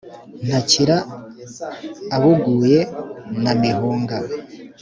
Ntakira abuguye na Mihunga,